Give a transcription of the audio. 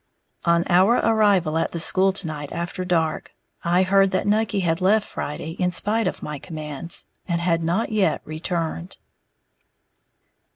On our arrival at the school to night after dark, I heard that Nucky had left Friday in spite of my commands, and had not yet returned.